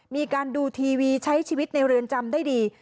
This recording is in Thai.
มีการดูทีวีใช้ชีวิตในเรือนจำได้ดี